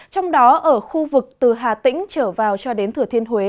trong đó ở khu vực từ hà tĩnh trở vào cho đến thừa thiên huế